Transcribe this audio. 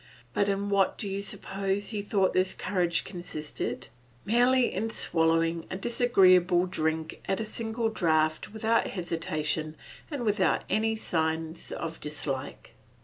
But in what do you suppose he thought this courage consisted? Merely in swallowing a disagreeable drink at a single draught without hesitation and without any signs of dislike.